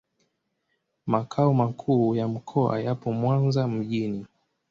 Makao makuu ya mkoa yapo Mwanza mjini.